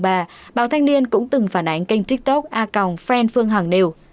bà nguyễn phương hằng cũng từng phản ánh kênh tiktok a còng friend phương hằng nêu